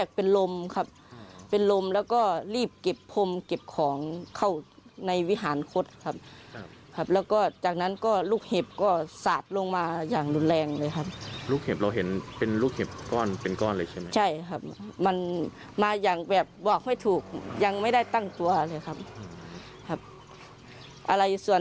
ข้างบนนี้กระจัดกระจายลงไปหมดเลยครับ